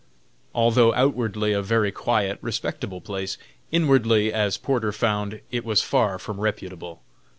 Although outwardly a very quiet, respectable place, inwardly, as Porter found, it was far from reputable.